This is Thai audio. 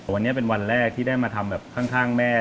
วันนี้เป็นวันแรกที่ได้มาทำแบบข้างแม่